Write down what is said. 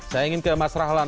saya ingin ke mas rahlan